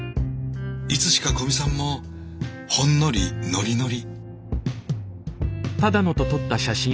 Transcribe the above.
いつしか古見さんもほんのりノリノリ。